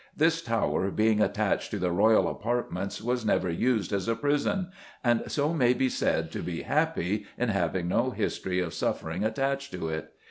This tower, being attached to the royal apartments, was never used as a prison, and so may be said to be happy in having no history of suffering attached to it.